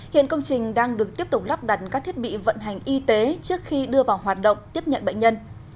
hiện công trình đang được tiếp tục lắp đặt các thiết bị vận hành y tế trước khi đưa vào hoạt động tiếp nhận bệnh nhân